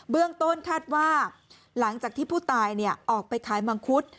เรื่องต้นคาดว่าหลังจากที่ผู้ตายออกไปขายมังคุด